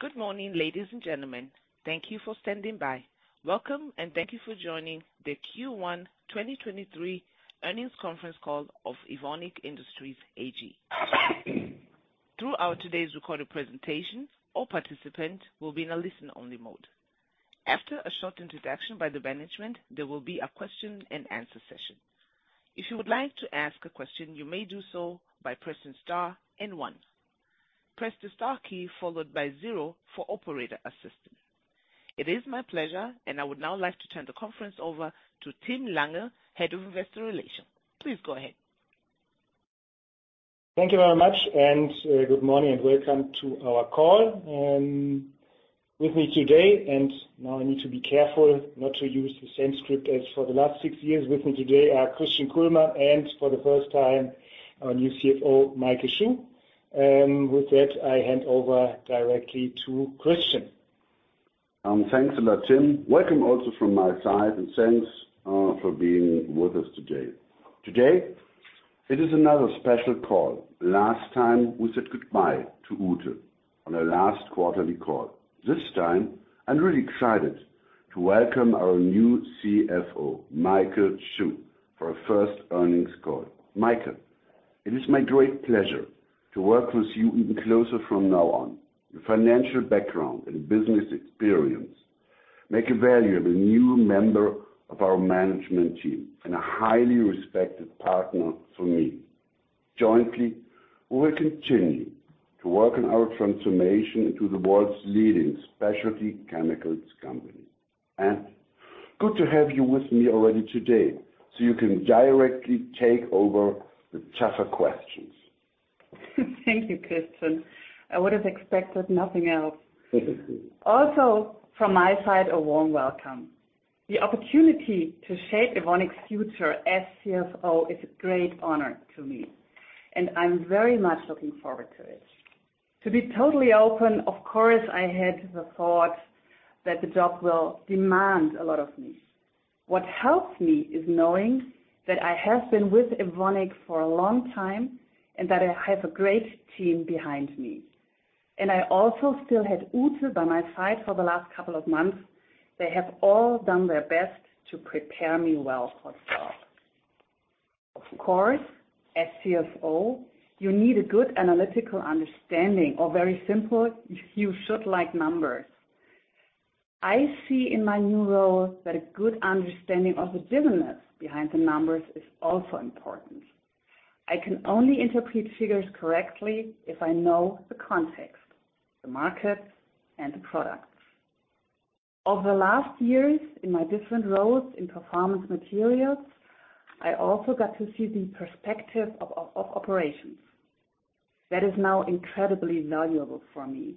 Good morning, ladies and gentlemen. Thank you for standing by. Welcome, and thank you for joining the first quarter 2023 earnings conference call of Evonik Industries AG. Throughout today's recorded presentation, all participants will be in a listen-only mode. After a short introduction by the management, there will be a question-and-answer session. If you would like to ask a question, you may do so by pressing *1. Press the *0 for operator assistance. It is my pleasure. I would now like to turn the conference over to Tim Lange, Head of Investor Relations. Please go ahead. Thank you very much, and good morning and welcome to our call. With me today, and now I need to be careful not to use the same script as for the last six years. With me today are Christian Kullmann, and for the first time, our new CFO, Maike Schuh. With that, I hand over directly to Christian. Thanks a lot, Tim. Welcome also from my side, and thanks for being with us today. Today, it is another special call. Last time, we said goodbye to Ute on our last quarterly call. This time, I'm really excited to welcome our new Chief Financial Officer, Maike Schuh, for our first earnings call. Maike, it is my great pleasure to work with you even closer from now on. Your financial background and business experience make you a valuable new member of our management team and a highly respected partner for me. Jointly, we will continue to work on our transformation into the world's leading specialty chemicals company. Good to have you with me already today, so you can directly take over the tougher questions. Thank you, Christian. I would have expected nothing else. From my side, a warm welcome. The opportunity to shape Evonik's future as CFO is a great honor to me, and I'm very much looking forward to it. To be totally open, of course, I had the thought that the job will demand a lot of me. What helps me is knowing that I have been with Evonik for a long time, and that I have a great team behind me. I also still had Ute by my side for the last couple of months. They have all done their best to prepare me well for the job. Of course, as CFO, you need a good analytical understanding, or very simple, you should like numbers. I see in my new role that a good understanding of the business behind the numbers is also important. I can only interpret figures correctly if I know the context, the markets, and the products. Over the last years in my different roles in Performance Materials, I also got to see the perspective of operations. That is now incredibly valuable for me.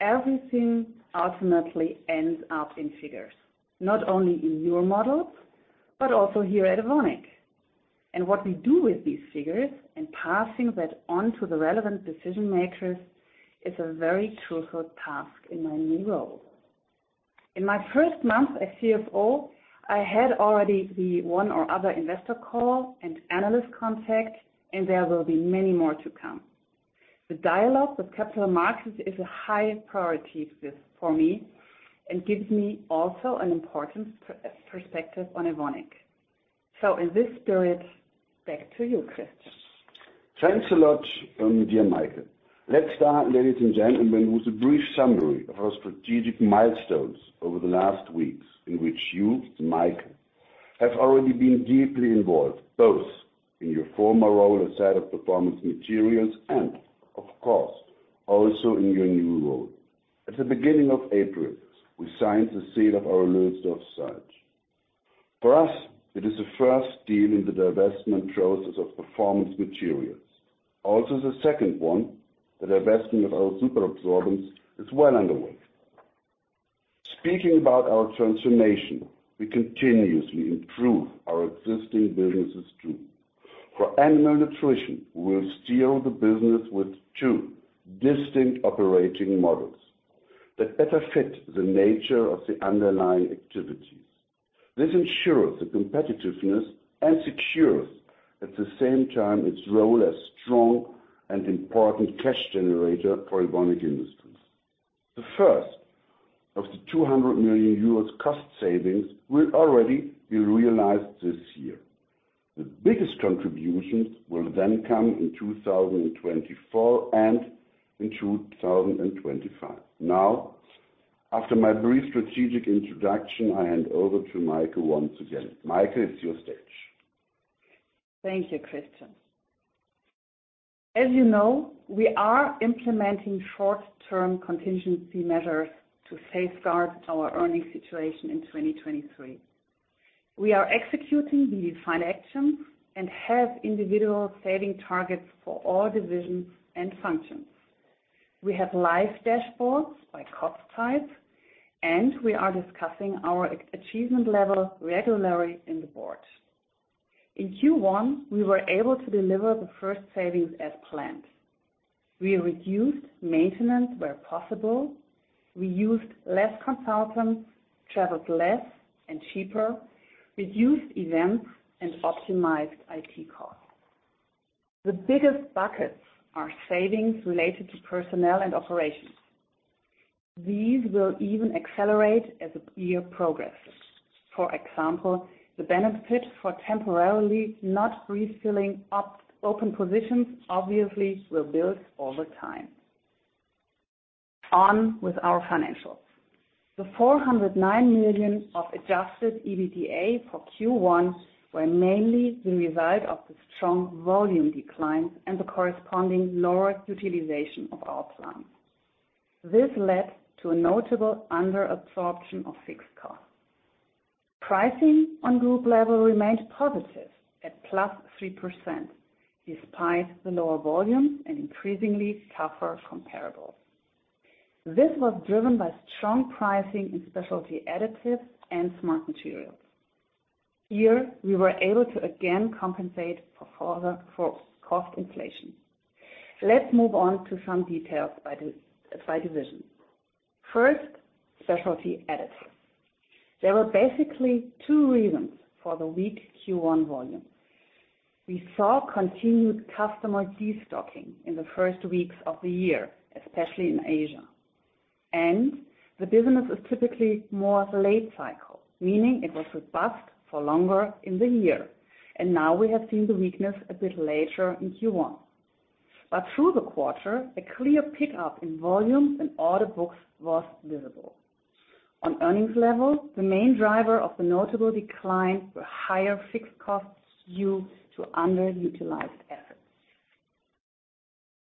Everything ultimately ends up in figures, not only in your models, but also here at Evonik. What we do with these figures and passing that on to the relevant decision-makers is a very truthful task in my new role. In my first month as CFO, I had already the one or other investor call and analyst contact, and there will be many more to come. The dialogue with capital markets is a high priority for me and gives me also an important perspective on Evonik. In this spirit, back to you, Christian. Thanks a lot, dear Maike. Let's start, ladies and gentlemen, with a brief summary of our strategic milestones over the last weeks in which you, Maike, have already been deeply involved, both in your former role as head of Performance Materials and, of course, also in your new role. At the beginning of April, we signed the sale of our Lülsdorf site. For us, it is the first deal in the divestment process of Performance Materials. The second one, the divestment of our superabsorbents, is well underway. Speaking about our transformation, we continuously improve our existing businesses too. For Animal Nutrition, we will steer the business with two distinct operating models that better fit the nature of the underlying activities. This ensures the competitiveness and secures at the same time its role as a strong and important cash generator for Evonik Industries. The first of the 200 million euros in cost savings will already be realized this year. The biggest contributions will then come in 2024 and in 2025. After my brief strategic introduction, I hand over to Maike Schuh once again. Maike Schuh, it's your stage. Thank you, Christian. As you know, we are implementing short-term contingency measures to safeguard our earnings situation in 2023. We are executing the defined actions and have individual saving targets for all divisions and functions. We have live dashboards by cost type, and we are discussing our achievement level regularly at the board. In Q1, we were able to deliver the first savings as planned. We reduced maintenance where possible. We used less consultants, traveled less and cheaper, reduced events and optimized IT costs. The biggest buckets are savings related to personnel and operations. These will even accelerate as the year progresses. For example, the benefit for temporarily not refilling up open positions obviously will build over time. With our financials, the 409 million of adjusted EBITDA for Q1 were mainly the result of the strong volume decline and the corresponding lower utilization of our plants. This led to a notable under-absorption of fixed costs. Pricing on group level remained positive at 3%, despite the lower volume and increasingly tougher comparables. This was driven by strong pricing in Specialty Additives and Smart Materials. Here we were able to again compensate for further cost inflation. Let's move on to some details by division. First, Specialty Additives. There were basically two reasons for the weak Q1 volumes. We saw continued customer destocking in the first weeks of the year, especially in Asia. The business is typically more late cycle, meaning it was robust for longer in the year. Now we have seen the weakness a bit later in Q1. Through the quarter, a clear pickup in volumes and order books was visible. On earnings level, the main driver of the notable decline were higher fixed costs due to underutilized efforts.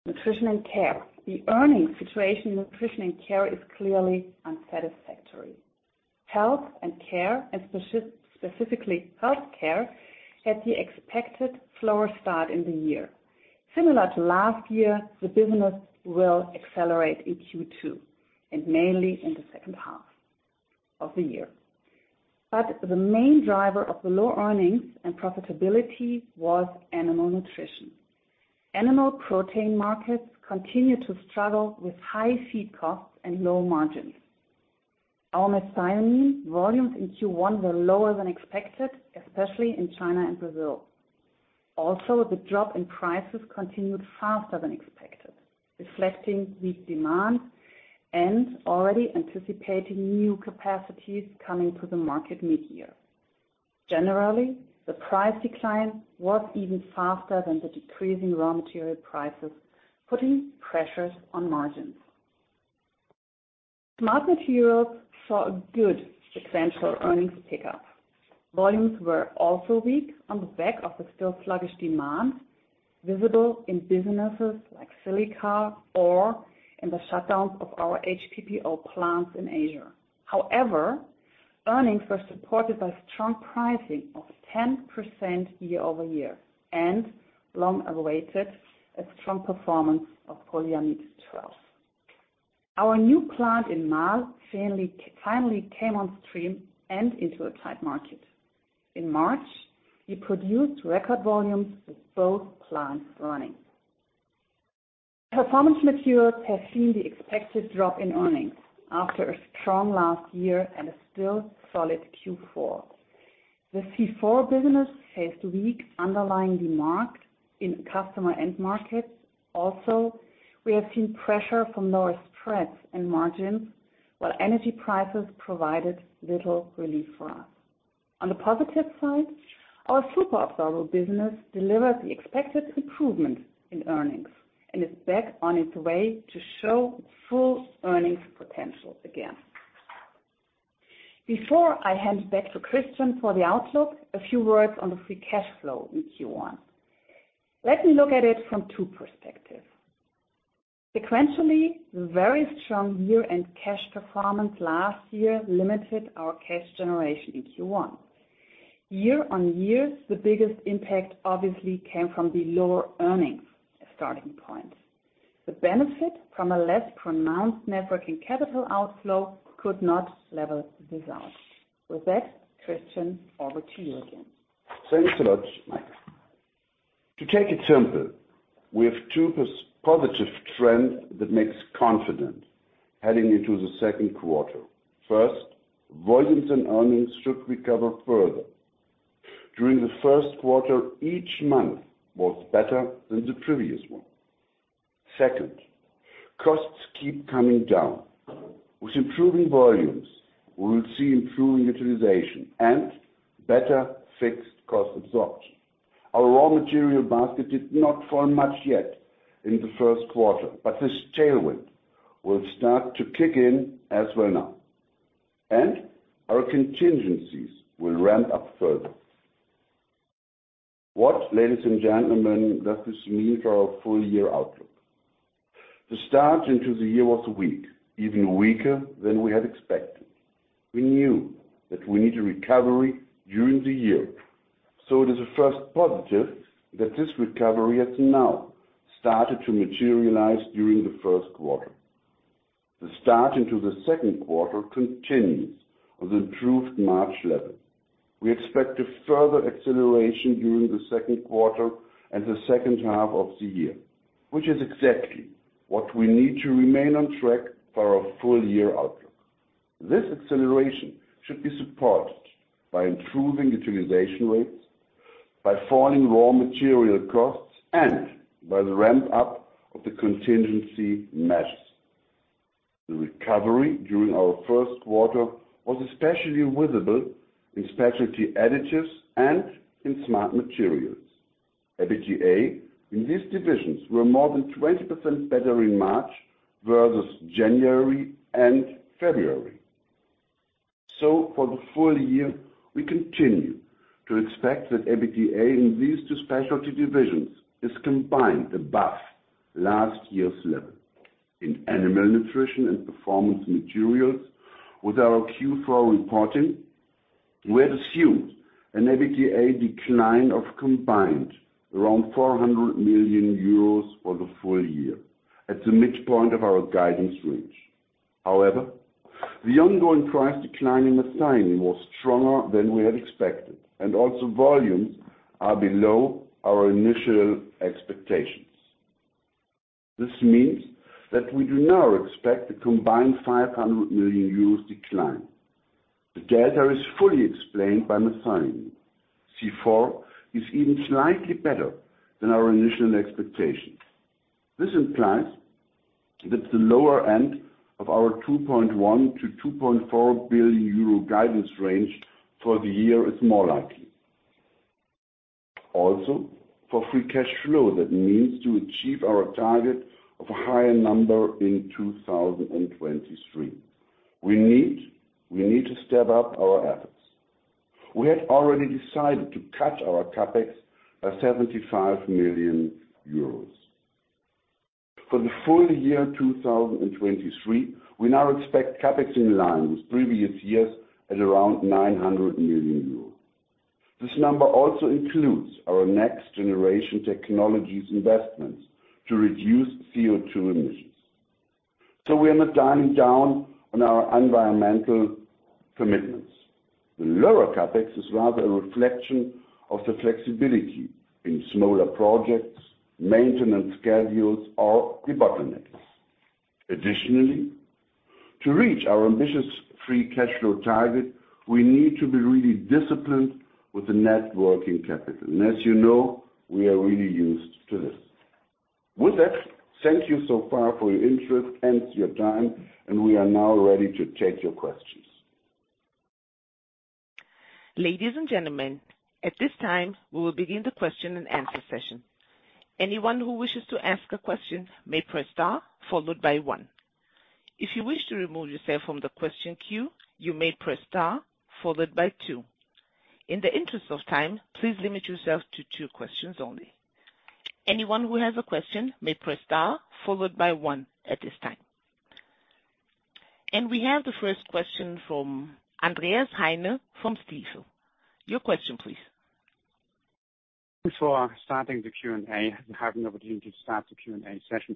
Nutrition & Care. The earnings situation in Nutrition & Care is clearly unsatisfactory. Health & Care, and specifically healthcare, had the expected slower start in the year. Similar to last year, the business will accelerate in Q2 and mainly in the second half of the year. The main driver of the low earnings and profitability was Animal Nutrition. Animal protein markets continue to struggle with high feed costs and low margins. Our methionine volumes in Q1 were lower than expected, especially in China and Brazil. The drop in prices continued faster than expected, reflecting weak demand and already anticipating new capacities coming to the market mid-year. The price decline was even faster than the decreasing raw material prices, putting pressure on margins. Smart Materials saw a good sequential earnings pickup. Volumes were also weak on the back of the still sluggish demand visible in businesses like silica or in the shutdowns of our HPPO plants in Asia. Earnings were supported by strong pricing of 10% year-over-year and long-awaited, a strong performance of polyamide 12. Our new plant in Marl finally came on stream and into a tight market. In March, we produced record volumes with both plants running. Performance Materials has seen the expected drop in earnings after a strong last year and a still solid Q4. The C4 business faced weak underlying demand in customer end markets. We have seen pressure from lower spreads and margins, while energy prices provided little relief for us. On the positive side, our superabsorbent business delivered the expected improvement in earnings and is back on its way to showing its full earnings potential again. Before I hand back to Christian for the outlook, a few words on the free cash flow in Q1. Let me look at it from two perspectives. Sequentially, the very strong year-end cash performance last year limited our cash generation in Q1. Year over years, the biggest impact obviously came from the lower earnings starting point. The benefit from a less pronounced net working capital outflow could not level this out. With that, Christian, over to you again. Thanks a lot, Maike. To take it simple, we have two positive trends that make us confident heading into the second quarter. First, volumes and earnings should recover further. During the first quarter, each month was better than the previous one. Second, costs keep coming down. With improving volumes, we will see improving utilization and better fixed cost absorption. Our raw material basket did not fall much yet in the first quarter, but this tailwind will start to kick in as well now. Our contingencies will ramp up further. What, ladies and gentlemen, does this mean for our full year outlook? The start into the year was weak, even weaker than we had expected. We knew that we needed a recovery during the year, so it is a first positive that this recovery has now started to materialize during the first quarter. The start into the second quarter continues on the improved March level. We expect a further acceleration during the second quarter and the second half of the year, which is exactly what we need to remain on track for our full year outlook. This acceleration should be supported by improving utilization rates, by falling raw material costs, and by the ramp up of the contingency measures. The recovery during our 1st quarter was especially visible in Specialty Additives and in Smart Materials. EBITDA in these divisions were more than 20% better in March versus January and February. For the full year, we continue to expect that EBITDA in these two specialty divisions is combined above last year's level. In Animal Nutrition and Performance Materials with our Q4 reporting, we had assumed an EBITDA decline of combined around 400 million euros for the full year at the midpoint of our guidance range. The ongoing price decline in methionine was stronger than we had expected, and also volumes are below our initial expectations. This means that we do now expect a combined 500 million euros decline. The delta is fully explained by methionine. C4 is even slightly better than our initial expectations. This implies that the lower end of our 2.1 billion- 2.4 billion euro guidance range for the year is more likely. For free cash flow, that means to achieve our target of a higher number in 2023. We need to step up our efforts. We had already decided to cut our CapEx by 75 million euros. For the full year 2023, we now expect CapEx in line with previous years at around 900 million euros. This number also includes our Next Generation Technologies investments to reduce CO2 emissions. We are not dialing down on our environmental commitments. The lower CapEx is rather a reflection of the flexibility in smaller projects, maintenance schedules or debottlenecks. Additionally, to reach our ambitious free cash flow target, we need to be really disciplined with net working capital. As you know, we are really used to this. With that, thank you so far for your interest and your time. We are now ready to take your questions. Ladies and gentlemen, at this time, we will begin the question and answer session. Anyone who wishes to ask a question may press star followed by one. If you wish to remove yourself from the question queue, you may press star followed by two. In the interest of time, please limit yourself to two questions only. Anyone who has a question may press star followed by one at this time. We have the first question from Andreas Heine from Stifel. Your question, please. Before starting the Q&A, we have an opportunity to start the Q&A session.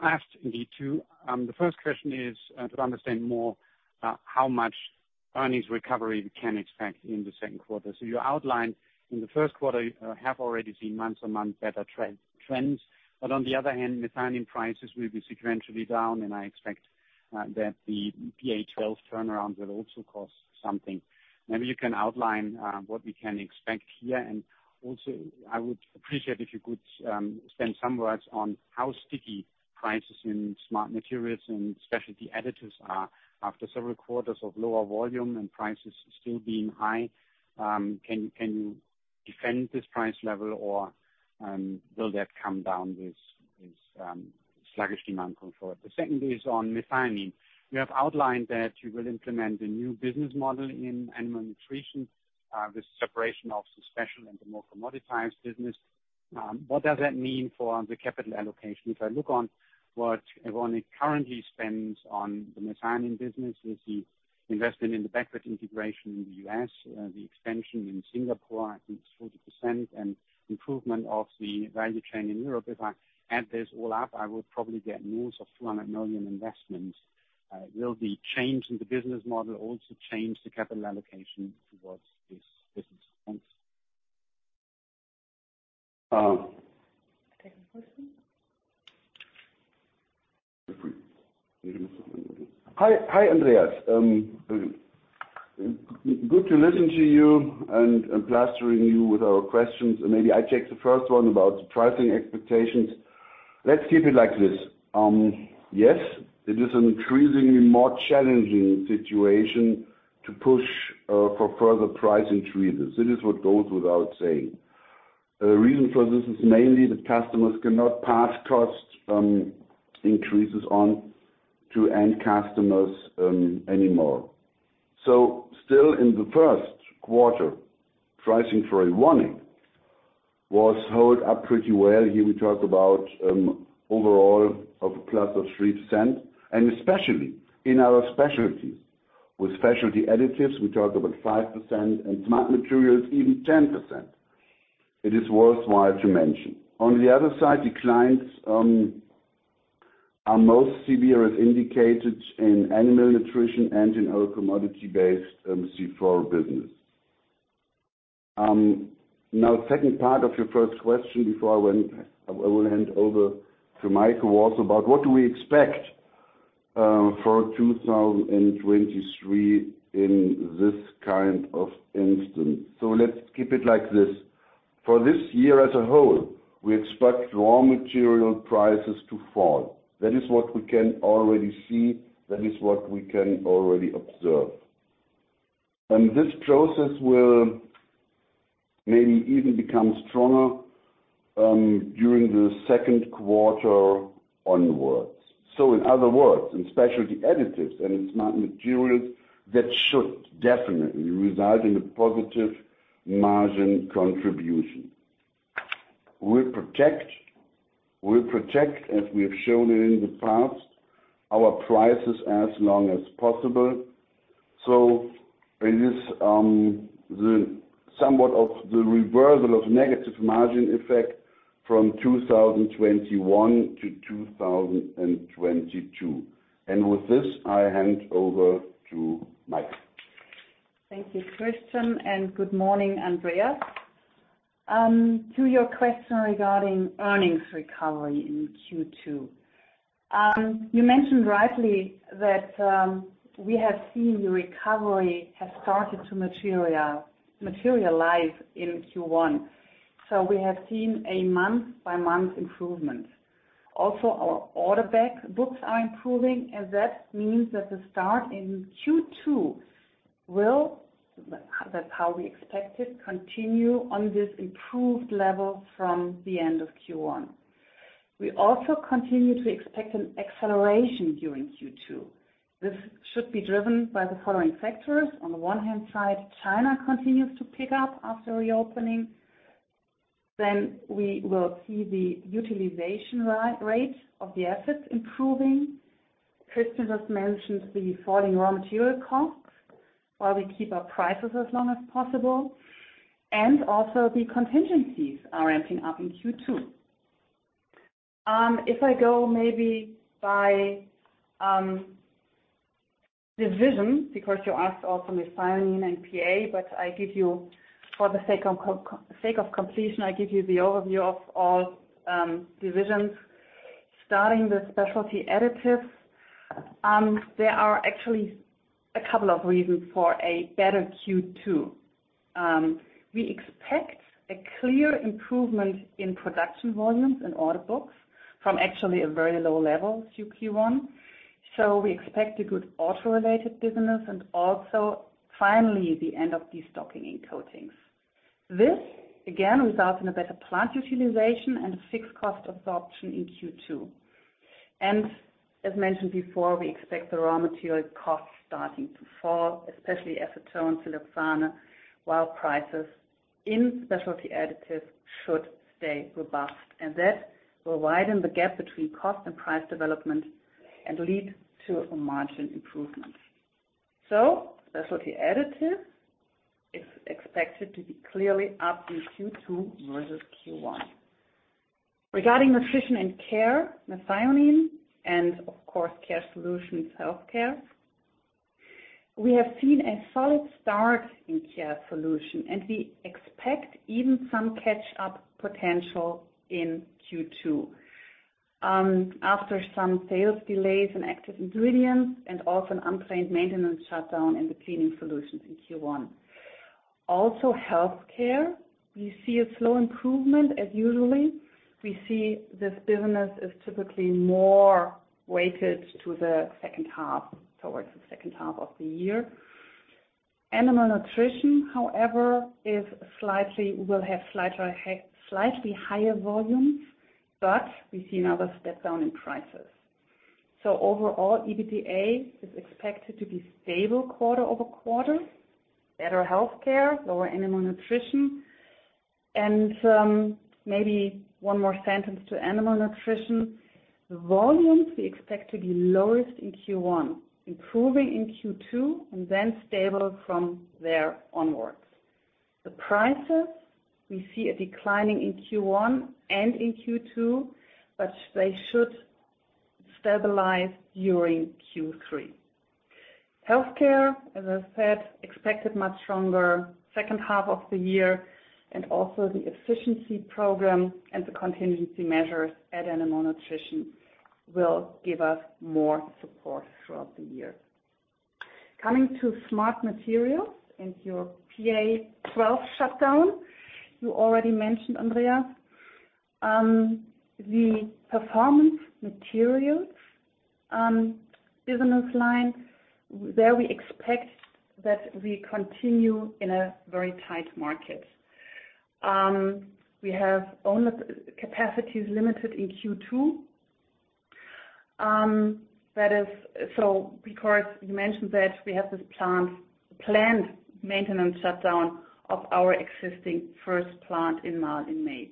I have indeed two. The first question is to understand more how much earnings recovery we can expect in the second quarter. You outlined that in the first quarter have already seen month-on-month better trends. On the other hand, methionine prices will be sequentially down, and I expect that the PA 12 turnaround will also cost something. Maybe you can outline what we can expect here. Also, I would appreciate if you could spend some words on how sticky prices in Smart Materials and Specialty Additives are after several quarters of lower volume and prices still being high. Can you defend this price level or will that come down with sluggish demand going forward? The second question is on methionine. You have outlined that you will implement a new business model in Animal Nutrition, with separation of the special and the more commoditized business. What does that mean for the capital allocation? If I look at what Evonik currently spends on the methionine business with the investment in the backward integration in the U.S., the expansion in Singapore, I think it's 40%, and improvement of the value chain in Europe. If I add this all up, I will probably get more than 200 million in investment. Will the change in the business model also change the capital allocation towards this business? Thanks. Um. Second question. Hi, Andreas. Good to listen to you and pestering you with our questions. Maybe I take the first one about the pricing expectations. Let's keep it like this. Yes, it is an increasingly more challenging situation to push for further price increases. It is what goes without saying. The reason for this is mainly that customers cannot pass costs increases on to end customers anymore. Still in the first quarter, pricing for Evonik was held up pretty well. Here we talk about overall of a 3%, and especially in our specialties. With Specialty Additives, we talked about 5%, and Smart Materials, even 10%. It is worthwhile to mention. On the other side, declines are most severe as indicated in Animal Nutrition and in our commodity-based C4 business. Second part of your first question before I will hand over to Maike, was about what do we expect for 2023 in this kind of instance. Let's keep it like this. For this year as a whole, we expect raw material prices to fall. That is what we can already see, that is what we can already observe. This process will maybe even become stronger during the second quarter onwards. In other words, in Specialty Additives and in Smart Materials, that should definitely result in a positive margin contribution. We protect, as we have shown in the past, our prices as long as possible. It is somewhat of the reversal of negative margin effect from 2021 to 2022. With this, I hand over to Maike. Thank you, Christian, and good morning, Andreas. To your question regarding earnings recovery in Q2. You mentioned rightly that we have seen the recovery has started to materialize in Q1. We have seen a month-by-month improvement. Also, our order back books are improving, and that means that the start in Q2 will, that's how we expect it, continue on this improved level from the end of Q1. We also continue to expect an acceleration during Q2. This should be driven by the following factors. On the one hand side, China continues to pick up after reopening. We will see the utilization rate of the assets improving. Christian just mentioned the falling raw material costs while we keep our prices as long as possible. Also the contingencies are ramping up in Q2. If I go maybe by division, because you asked also Methionine and PA, but I give you for the sake of completion, I give you the overview of all divisions. Starting with Specialty Additives, there are actually a couple of reasons for a better Q2. We expect a clear improvement in production volumes and order books from actually a very low level through Q1. We expect a good auto-related business and also finally the end of destocking in coatings. This again results in a better plant utilization and fixed cost absorption in Q2. As mentioned before, we expect the raw material costs starting to fall, especially acetone and siloxane, while prices in Specialty Additives should stay robust. That will widen the gap between cost and price development and lead to a margin improvement. Specialty Additives is expected to be clearly up in Q2 versus Q1. Regarding Nutrition & Care, methionine and of course, Care Solutions Health & Care, we have seen a solid start in Care Solutions, and we expect even some catch-up potential in Q2 after some sales delays in active ingredients and also an unplanned maintenance shutdown in the Cleaning Solutions in Q1. Health & Care, we see a slow improvement as usually. We see this business is typically more weighted toward the second half, towards the second half of the year. Animal Nutrition, however, will have slightly higher volumes, but we see another step down in prices. Overall, EBITDA is expected to be stable quarter-over-quarter, better Health & Care, lower Animal Nutrition. Maybe one more sentence to Animal Nutrition. The volumes we expect to be lowest in Q1, improving in Q2 and then stable from there onwards. The prices we see declining in Q1 and in Q2, but they should stabilize during Q3. Health & Care, as I said, expected much stronger second half of the year. The efficiency program and the contingency measures at Animal Nutrition will give us more support throughout the year. Coming to Smart Materials and your PA12 shutdown, you already mentioned, Andreas, the Performance Materials business line, there we expect that we continue in a very tight market. We have our owner capacities limited in Q2. Of course, you mentioned that we have this planned maintenance shutdown of our existing first plant in Marl in May.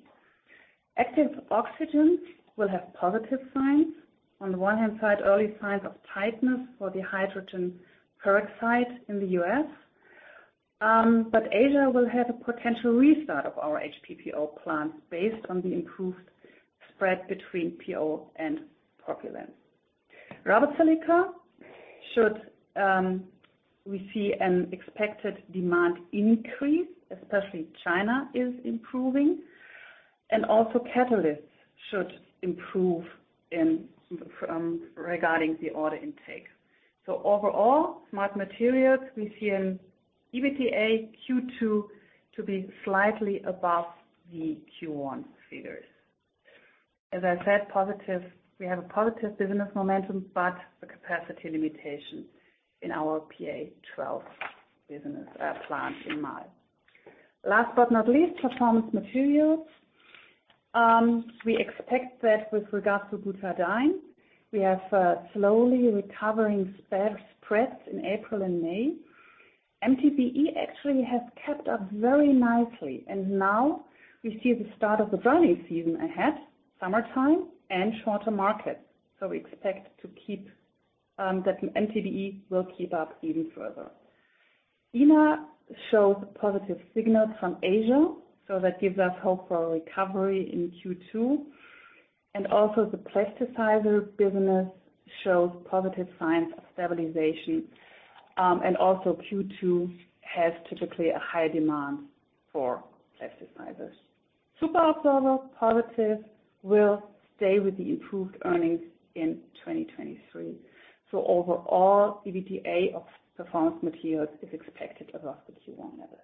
Active Oxygens will have positive signs. On the one hand side, early signs of tightness for the hydrogen peroxide in the U.S. Asia will have a potential restart of our HPPO plant based on the improved spread between PO and propylene. Rubber silica should, we see an expected demand increase, especially China is improving. Also catalysts should improve in regarding the order intake. Overall, Smart Materials, we see an EBITDA in Q2 to be slightly above the Q1 figures. As I said, we have a positive business momentum, but a capacity limitation in our PA12 business plant in Marl. Last but not least, Performance Materials. We expect that with regards to butadiene, we have slowly recovering spreads in April and May. MTBE actually has kept up very nicely, now we see the start of the driving season ahead, summertime and shorter markets. We expect to keep that MTBE will keep up even further. DINA shows positive signals from Asia, that gives us hope for a recovery in Q2. The plasticizer business shows positive signs of stabilization. Q2 has typically a high demand for plasticizers. Superabsorber positive will stay with the improved earnings in 2023. Overall, EBITDA of Performance Materials is expected to be above the Q1 level.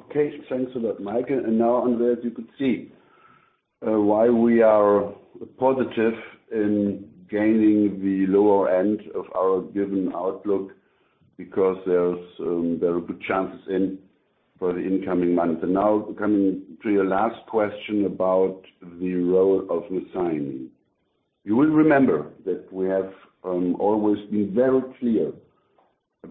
Okay. Thanks a lot, Maike. Now, Andreas, you could see why we are positive in gaining the lower end of our given outlook because there's very good chances for the incoming months. Now coming to your last question about the role of methionine. You will remember that we have always been very clear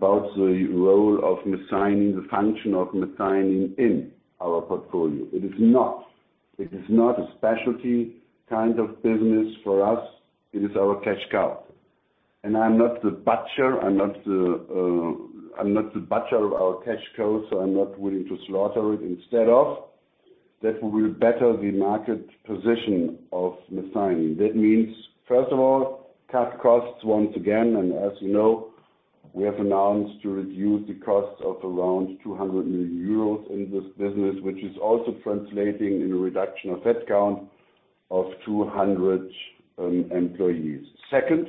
about the role of methionine, the function of methionine in our portfolio. It is not a specialty kind of business for us. It is our cash cow. I'm not the butcher of our cash cow, so I'm not willing to slaughter it. Instead of that, we will better the market position of methionine. That means, first of all, cutting costs once again. As you know, we have announced a reduction in cost of around 200 million euros in this business, which is also translating in a reduction of headcount of 200 employees. Second,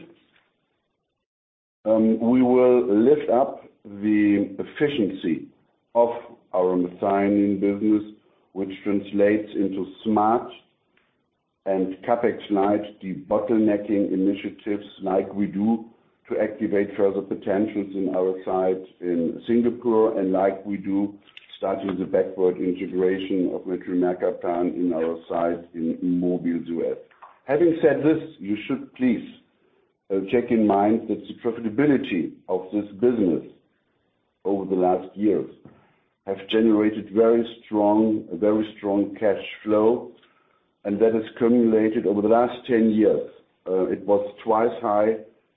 we will lift up the efficiency of our methionine business, which translates into smart and CapEx-light debottlenecking initiatives like we do to activate further potentials in our sites in Singapore, and like we do starting the backward integration of MetAMINO Macapá in our sites in Mobile, US. Having said this, you should please check in mind that the profitability of this business over the last years have generated very strong, a very strong cash flow, and that has cumulated over the last 10 years. It was twice as high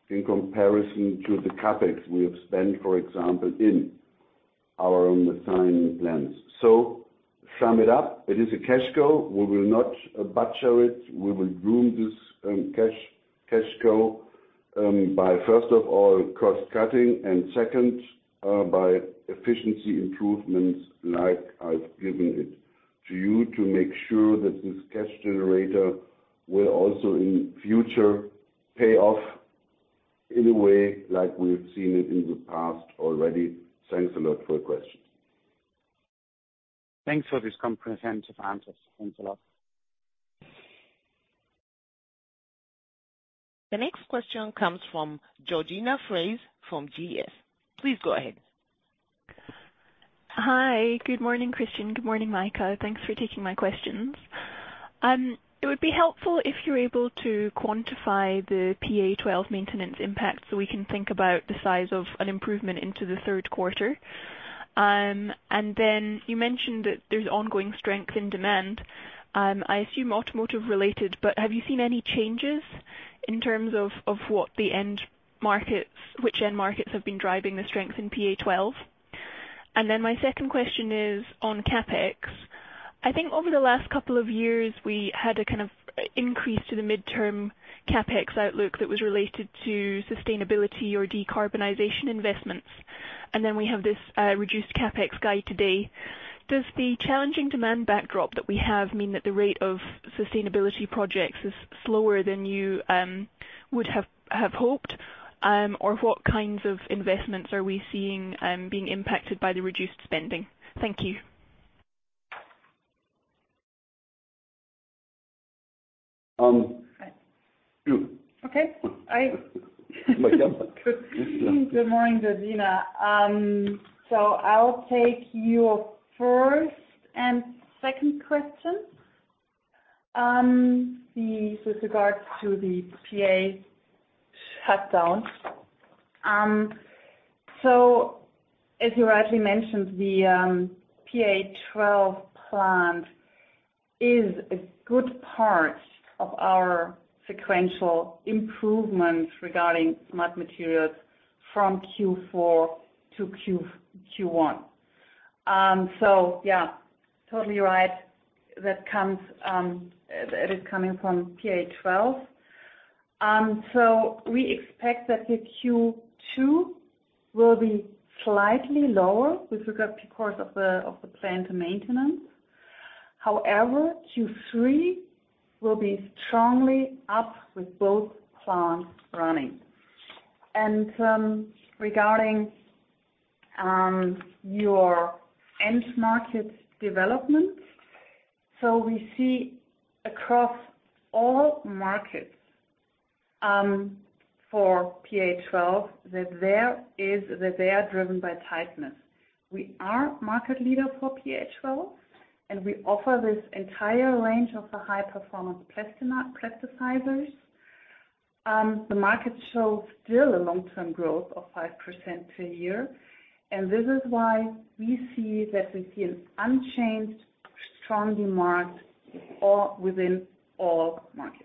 in comparison to the CapEx we have spent, for example, in our own methionine plants. Sum it up, it is a cash cow. We will not butcher it. We will groom this cash cow, by, first of all, cost-cutting, and second, by efficiency improvements like I've given it to you to make sure that this cash generator will also in future pay off in a way like we've seen it in the past already. Thanks a lot for your question. Thanks for this comprehensive answer. Thanks a lot. The next question comes from Georgina Fraser from Goldman Sachs. Please go ahead. Hi. Good morning, Christian. Good morning, Maike. Thanks for taking my questions. It would be helpful if you're able to quantify the PA12 maintenance impact, so we can think about the size of an improvement into the third quarter. You mentioned that there's ongoing strength in demand, I assume automotive related, but have you seen any changes in terms of which end markets have been driving the strength in PA12? My second question is on CapEx. I think over the last couple of years, we had a kind of increase to the mid-term CapEx outlook that was related to sustainability or decarbonization investments. We have this reduced CapEx guide today. Does the challenging demand backdrop that we have mean that the rate of sustainability projects is slower than you would have hoped? What kinds of investments are we seeing, being impacted by the reduced spending? Thank you. Um. Okay. Meike. Good morning, Georgina. I'll take your first and second question. With regards to the PA shutdown. As you rightly mentioned, the PA12 plant is a good part of our sequential improvement regarding Smart Materials from Q4 to Q1. Yeah, totally right. That comes, it is coming from PA12. We expect that the Q2 will be slightly lower with regard to course of the plant maintenance. However, Q3 will be strongly up with both plants running. Regarding your end market development. We see across all markets, for PA12 that they are driven by tightness. We are market leader for PA12, and we offer this entire range of the high-performance plasticizers. The market shows still a long-term growth of 5% per year, and this is why we see that we see unchanged strong demand within all markets.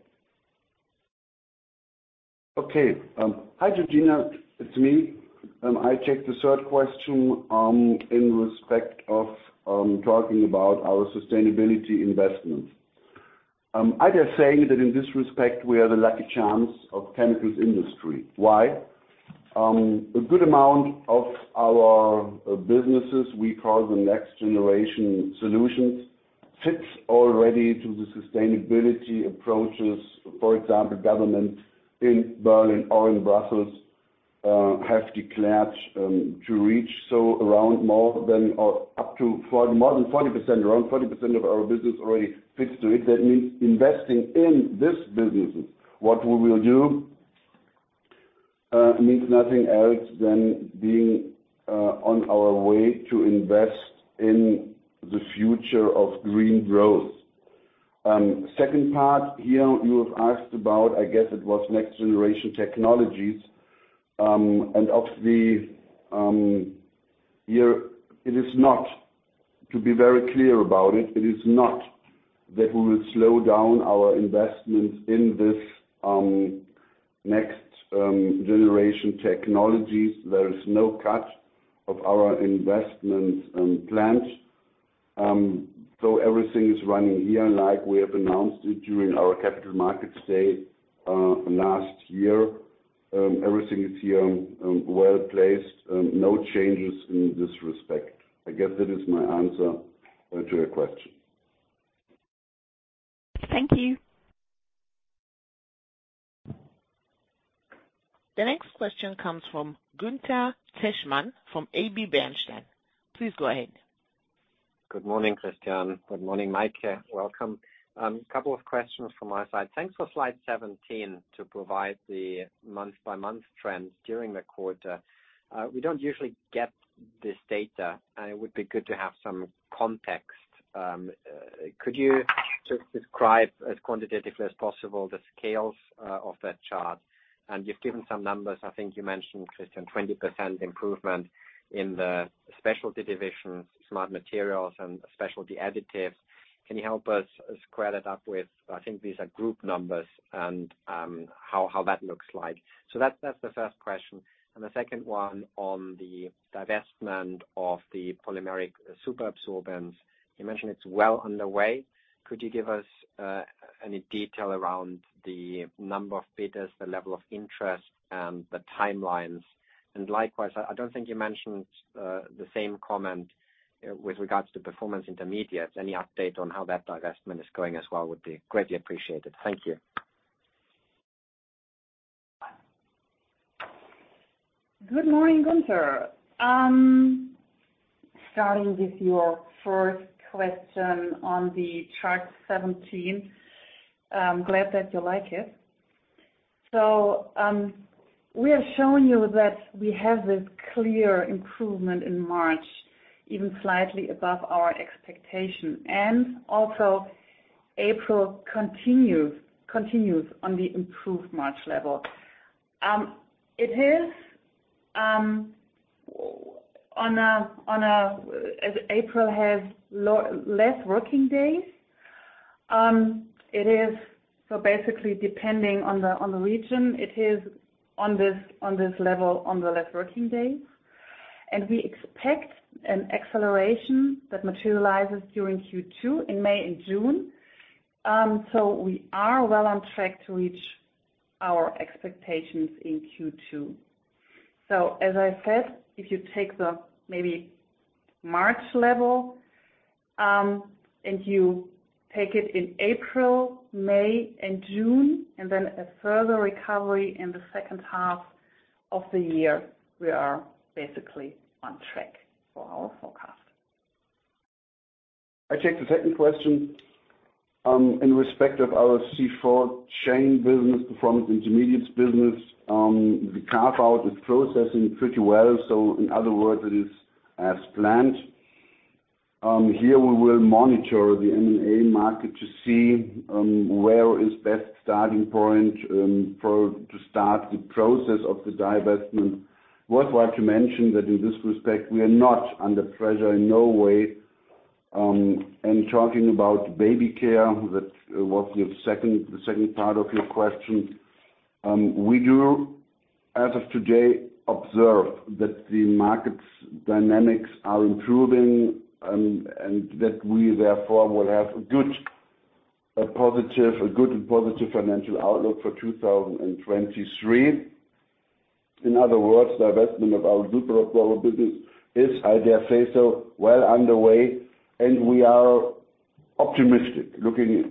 Okay. Hi, Georgina, it's me. I take the third question, in respect of, talking about our sustainability investments. I just say that in this respect, we have the lucky chance of chemicals industry. Why? A good amount of our businesses we call the Next Generation Solutions, fits already to the sustainability approaches. For example, government in Berlin or in Brussels have declared to reach so around more than 40%. Around 40% of our business already fits to it. That means investing in these businesses. What we will do means nothing else than being on our way to invest in the future of green growth. Second part here, you have asked about, I guess, it was Next Generation Technologies. Obviously, here it is not to be very clear about it. It is not that we will slow down our investments in this, next generation technologies. There is no cut to our investments, plans. Everything is running here like we have announced it during our capital market day last year. Everything is here, well-placed. No changes in this respect. I guess that is my answer to your question. Thank you. The next question comes from Gunther Zechmann from Bernstein. Please go ahead. Good morning, Christian. Good morning, Maike. Welcome. Couple of questions from my side. Thanks for slide 17 for providing the month-by-month trends during the quarter. We don't usually get this data, and it would be good to have some context. Could you just describe as quantitatively as possible the scales of that chart? You've given some numbers. I think you mentioned, Christian, a 20% improvement in the specialty division, Smart Materials and Specialty Additives. Can you help us square that up with, I think these are group numbers and how that looks like? That's the first question. The second one on the divestment of the polymeric superabsorbents. You mentioned it's well underway. Could you give us any detail around the number of bidders, the level of interest, and the timelines? Likewise, I don't think you mentioned, the same comment with regards to Performance Intermediates. Any update on how that divestment is going as well would be greatly appreciated. Thank you. Good morning, Gunther. Starting with your first question on the slide 17. I'm glad that you like it. We are showing you that we have this clear improvement in March, even slightly above our expectation. April continues on the improved March level. It is, as April has less working days, so basically, depending on the region, it is on this level, on the less working days. We expect an acceleration that will materializes during Q2 in May and June. We are well on track to reach our expectations in Q2. As I said, if you take the maybe March level, and you take it in April, May and June, and then a further recovery in the second half of the year, we are basically on track for our forecast. I take the second question in respect of our C4 chain business, Performance Intermediates business. The carve-out is processing pretty well. In other words, it is as planned. Here we will monitor the M&A market to see where is best starting point to start the process of the divestment. Worthwhile to mention that in this respect, we are not under pressure in no way. Talking about Baby Care, that was your second part of your question. We do, as of today, observe that the market's dynamics are improving and that we therefore will have a good, a good and positive financial outlook for 2023. In other words, the investment of our superabsorbents business is, I dare say so, well underway, and we are optimistic. Looking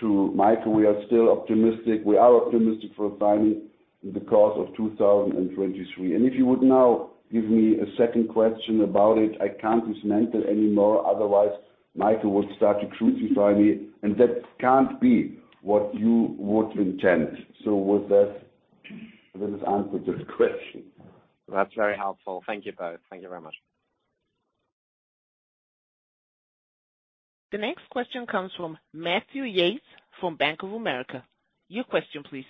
to Meike, we are still optimistic. We are optimistic for finding in the course of 2023. If you would now give me a second question about it, I can't dismantle anymore. Otherwise, Maike would start to crucify me, and that can't be what you would intend. With that, this has answered your question. That's very helpful. Thank you both. Thank you very much. The next question comes from Matthew Yates from Bank of America. Your question, please.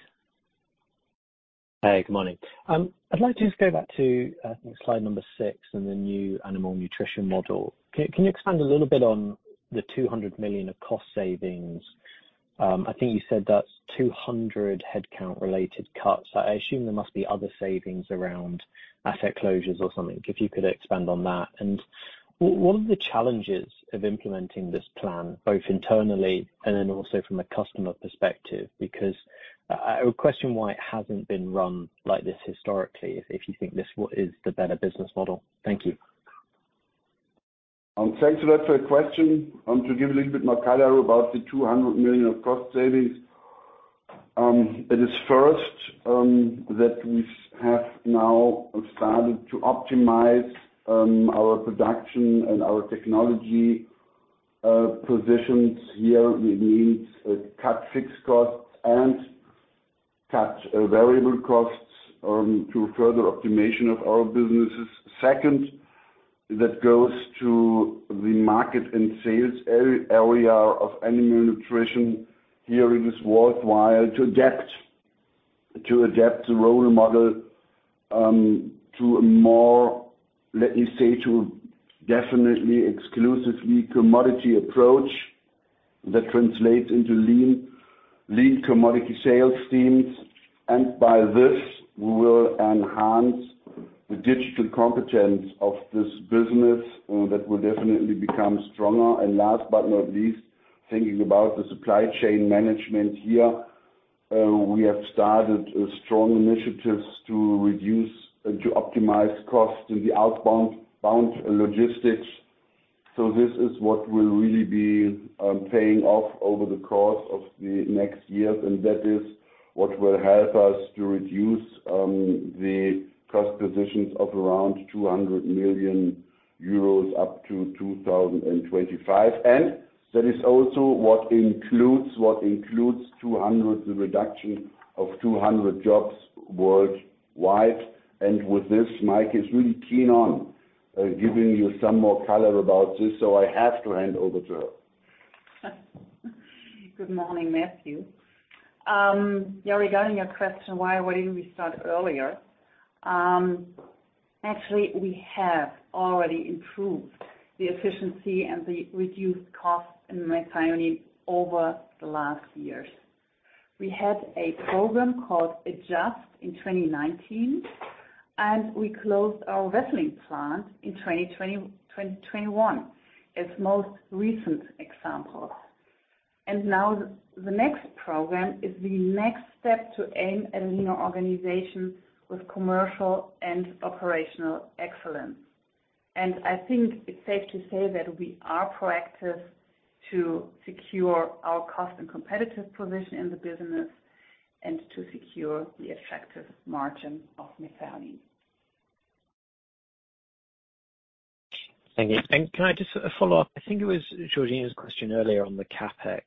Hey, good morning. I'd like to just go back to slide number six in the new Animal Nutrition model. Can you expand a little bit on the 200 million in cost savings? I think you said that's 200 headcount-related cuts. I assume there must be other savings around asset closures or something. If you could expand on that. What are the challenges of implementing this plan, both internally and then also from a customer perspective? Because I would question why it hasn't been run like this historically, if you think this is the better business model. Thank you. Thanks a lot for your question. To give a little bit more color about the 200 million in cost savings, it is first that we have now started to optimize our production and our technology positions. Here, we need to cut fixed costs and cut variable costs through further optimization of our businesses. Second, that goes to the market and sales area of Animal Nutrition. Here, it is worthwhile to adapt the role model to a more, let me say, to definitely exclusively commodity approach that translates into lean commodity sales teams. By this, we will enhance the digital competencies of this business that will definitely become stronger. Last but not least, thinking about the supply chain management here, we have started strong initiatives to reduce and to optimize costs in the outbound logistics. This is what will really be pay off over the course of the next years. That is what will help us to reduce the cost positions of around 200 million euros up to 2025. That is also what includes the reduction of 200 jobs worldwide. With this, Meike is really keen on giving you some more color about this, so I have to hand over to her. Good morning, Matthew. Yeah, regarding your question, why wouldn't we start earlier? Actually, we have already improved the efficiency and the reduced costs in methionine over the last years. We had a program called Adjust in 2019, we closed our Wesseling plant in 2020, 2021, its most recent example. Now the next program is the next step to aim a leaner organization with commercial and operational excellence. I think it's safe to say that we are proactive to secure our cost and competitive position in the business and to secure the attractive margin of methionine. Thank you. Can I just follow up? I think it was Georgina's question earlier on the CapEx.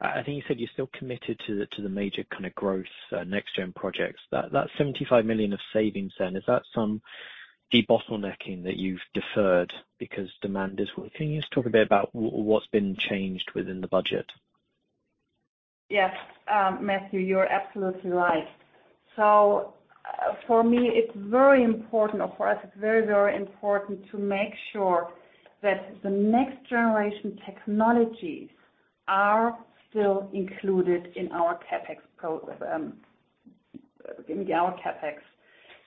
I think you said you're still committed to the, to the major kinda growth, next-generation projects. That, that 75 million in savings then, is that some debottlenecking that you've deferred because demand is? Can you just talk a bit about what's been changed within the budget? Yes, Matthew, you're absolutely right. For me, it's very important, or for us, it's very, very important to make sure that the Next Generation Technologies are still included in our CapEx.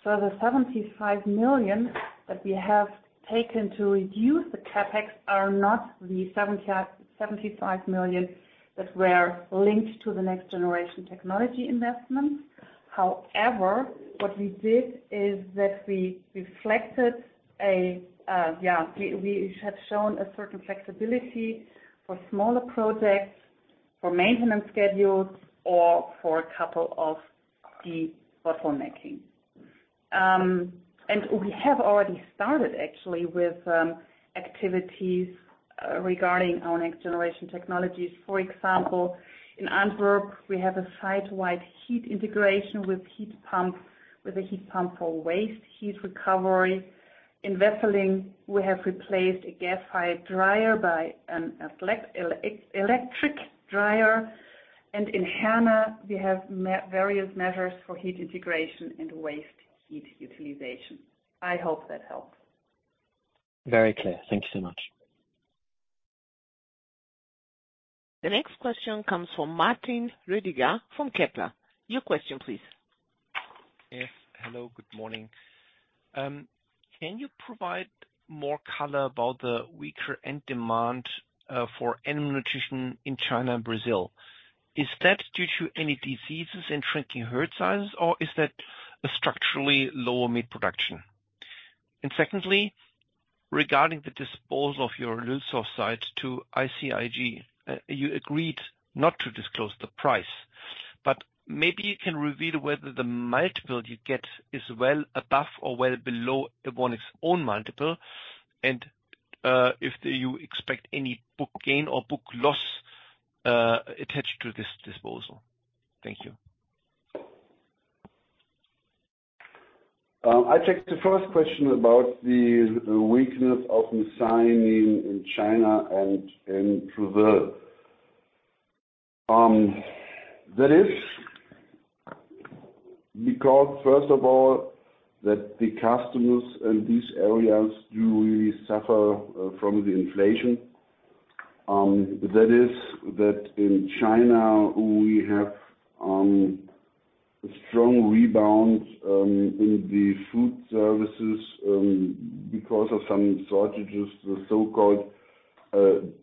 The 75 million that we have taken to reduce the CapEx are not the 75 million that was linked to the Next Generation Technology investments. What we did is that we reflected a, yeah, we have shown a certain flexibility for smaller projects, for maintenance schedules or for a couple of debottlenecking. We have already started actually with activities regarding our Next Generation Technologies. For example, in Antwerp, we have a site-wide heat integration with a heat pump for waste heat recovery. In Wesseling, we have replaced a gas-fired dryer by an electric dryer. In Hanau, we have various measures for heat integration and waste heat utilization. I hope that helps. Very clear. Thank you so much. The next question comes from Martin Roediger from Kepler Cheuvreux. Your question, please. Yes. Hello, good morning. Can you provide more color about the weaker end demand for Animal Nutrition in China and Brazil? Is that due to any diseases and shrinking herd sizes, or is that a structurally lower meat production? Secondly, regarding the disposal of your Lülsdorf site to ICIG, you agreed not to disclose the price, but maybe you can reveal whether the multiple you get is well above or well below Evonik's own multiple and if you expect any book gain or book loss attached to this disposal? Thank you. I'll take the first question about the weakness of the signing in China and in Brazil. That is because first of all, that the customers in these areas do really suffer from the inflation. That is that in China we have a strong rebound in the food services because of some shortages, the so-called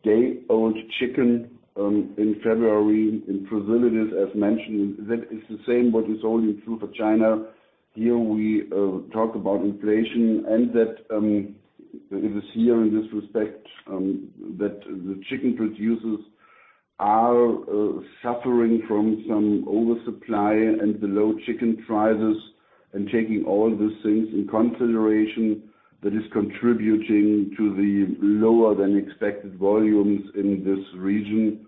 day-old chick, in February. In Brazil, it is as mentioned, that is the same what is only true for China. Here we talk about inflation and that it is here in this respect that the chicken producers are suffering from some oversupply and the low chicken prices. Taking all these things in consideration, that is contributing to the lower than expected volumes in this region.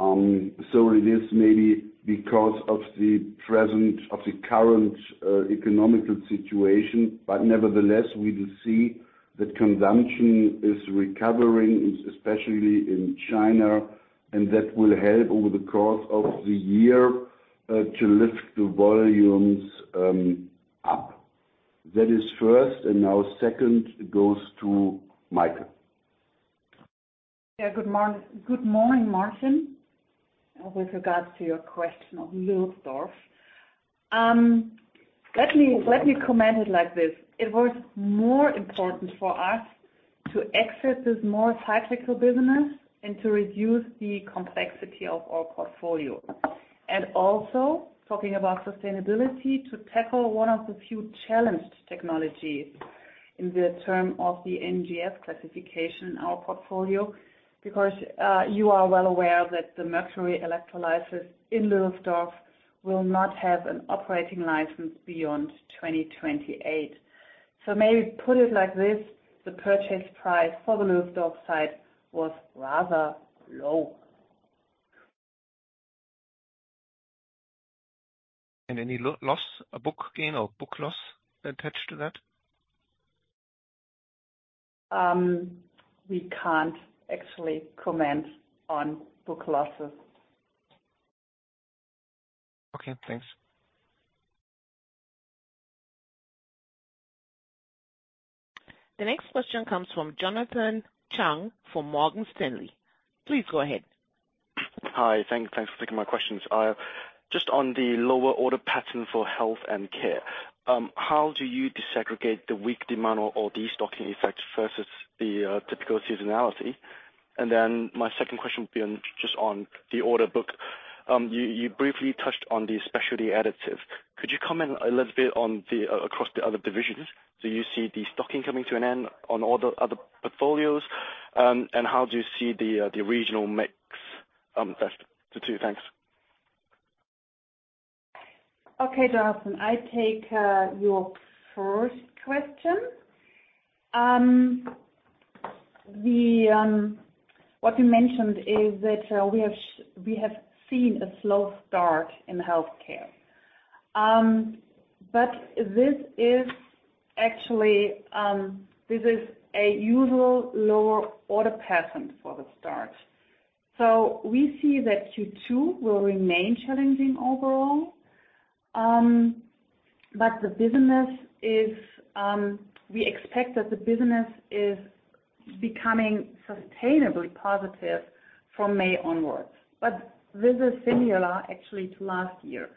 It is maybe because of the current economic situation. Nevertheless, we will see that consumption is recovering, especially in China, and that will help over the course of the year to lift the volumes up. That is first, and now second goes to Maike. Yeah. Good morning, Martin. With regards to your question of Lülsdorf, let me comment it like this. It was more important for us to exit this more cyclical business and to reduce the complexity of our portfolio. Also talking about sustainability, to tackle one of the few challenged technologies in the term of the NGS classification in our portfolio, because you are well aware that the mercury electrolysis in Lülsdorf will not have an operating license beyond 2028. Maybe put it like this, the purchase price for the Lülsdorf site was rather low. Any loss, book gain or book loss attached to that? We can't actually comment on book losses. Okay, thanks. The next question comes from Jonathan Chung for Morgan Stanley. Please go ahead. Hi. Thanks for taking my questions. Just on the lower order pattern for Health & Care, how do you disaggregate the weak demand or destocking effect versus the typical seasonality? My second question will be on just on the order book. You briefly touched on the Specialty Additives. Could you comment a little bit across the other divisions? Do you see the stocking coming to an end on all the other portfolios? How do you see the regional mix, best the two? Thanks. Okay, Jonathan, I take your first question. What we mentioned is that we have seen a slow start in Health & Care. This is actually, this is a usual lower order pattern for the start. We see that Q2 will remain challenging overall. The business is, we expect that the business is becoming sustainably positive from May onwards. This is similar actually to last year.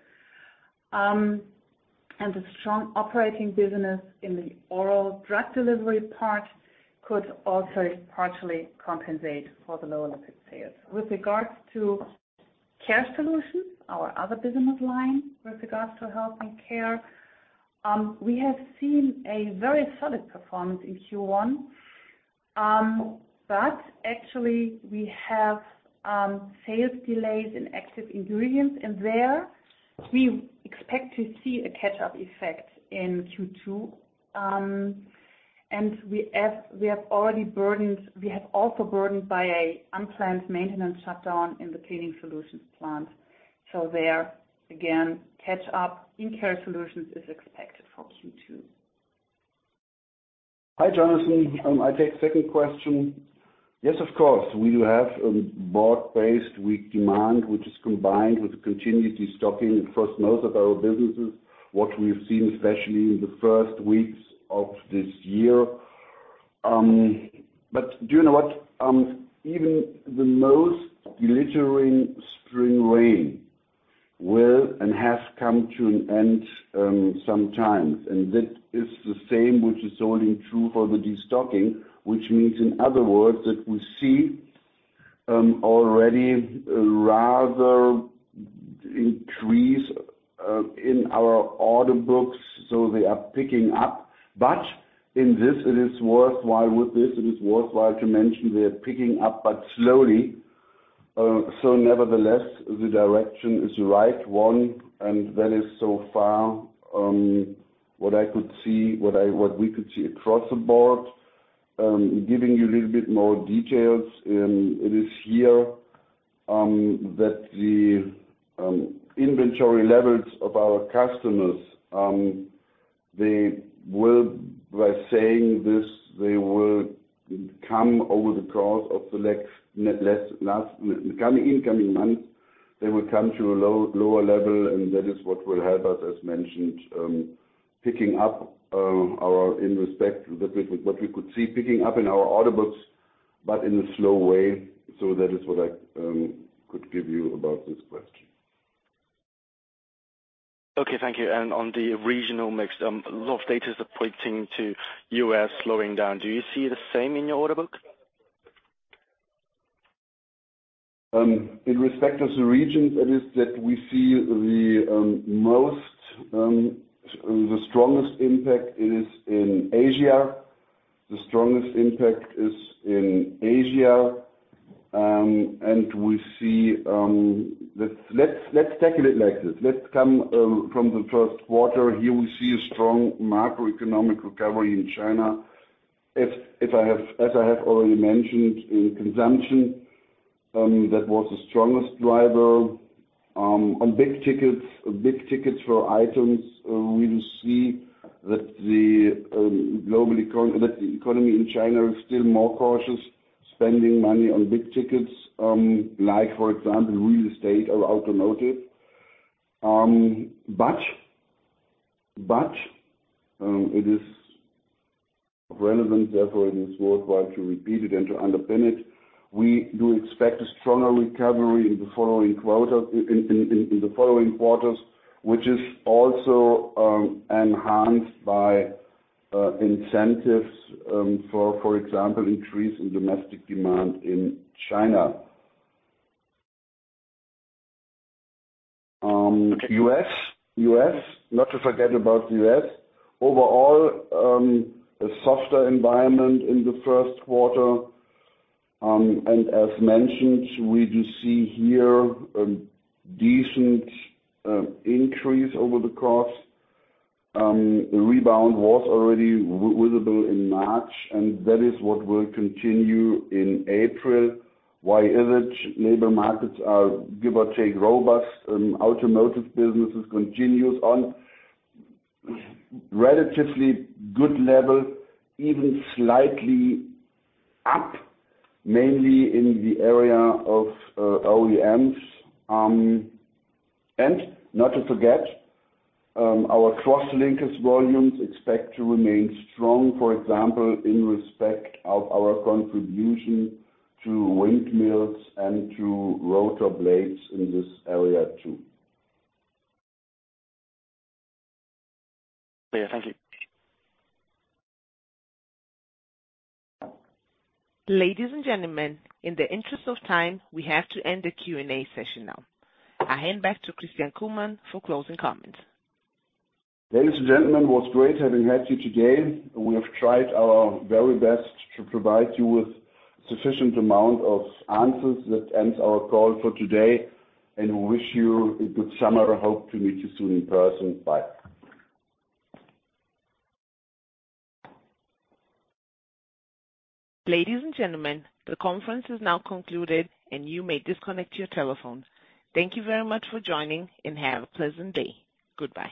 The strong operating business in the oral drug delivery part could also partially compensate for the lower lipid sales. With regards to Care Solutions, our other business line with regards to Health & Care, we have seen a very solid performance in Q1. Actually we have sales delays in active ingredients, and there we expect to see a catch-up effect in Q2. We have also burdened by an unplanned maintenance shutdown in the Cleaning Solutions plant. There again, catch up in Care Solutions is expected for Q2. Hi, Jonathan. I take second question. Yes, of course. We do have a broad-based weak demand, which is combined with continuity stocking across most of our businesses. What we've seen, especially in the first weeks of this year. Do you know what? Even the most glittering spring rain will and has come to an end, sometimes, and that is the same which is only true for the destocking. In other words, that we see, already a rather increase in our order books, so they are picking up. In this, it is worthwhile. With this, it is worthwhile to mention they are picking up but slowly. Nevertheless, the direction is the right one, and that is so far, what we could see across the board. Giving you a little bit more details in this here, that the inventory levels of our customers, By saying this, they will come over the course of the next months. They will come to a lower level and that is what will help us as mentioned, picking up with what we could see picking up in our order books, but in a slow way. That is what I could give you about this question. Okay, thank you. On the regional mix, a lot of data is pointing to U.S. slowing down. Do you see the same in your order book? In respect to the regions, that is that we see the most, the strongest impact is in Asia. The strongest impact is in Asia, we see, let's tackle it like this. Let's come from the first quarter. Here we see a strong macroeconomic recovery in China. As I have already mentioned in consumption, that was the strongest driver, on big tickets. Big tickets for items, we'll see that the economy in China is still more cautious spending money on big tickets, like for example, real estate or automotive. It is relevant, therefore it is worthwhile to repeat it and to underpin it. We do expect a stronger recovery in the following quarters, which is also enhanced by incentives, for example, increase in domestic demand in China. U.S., not to forget about the U.S. Overall, a softer environment in the first quarter, and as mentioned, we do see here a decent increase over the course. Rebound was already visible in March and that is what will continue in April. While image labor markets are, give or take, robust, automotive businesses continues on relatively good level, even slightly up, mainly in the area of OEMs. Not to forget, our crosslinkers volumes expect to remain strong, for example, in respect of our contribution to windmills and to rotor blades in this area too. Yeah, thank you. Ladies and gentlemen, in the interest of time, we have to end the Q&A session now. I hand back to Christian Kullmann for closing comments. Ladies and gentlemen, it was great having had you today. We have tried our very best to provide you with sufficient amount of answers. That ends our call for today and we wish you a good summer and hope to meet you soon in person. Bye. Ladies and gentlemen, the conference is now concluded and you may disconnect your telephones. Thank you very much for joining and have a pleasant day. Goodbye.